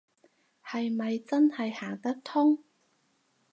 係咪真係行得通